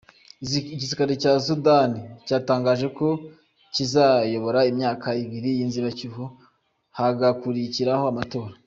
Igisirikare cya Sudan cyatangaje ko kizayobora imyaka ibiri y’inzibacyuho, hagakurikiraho amatora.